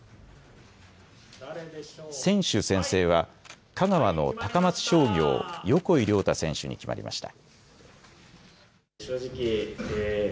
選手宣誓は香川の高松商業、横井亮太選手に決まりました。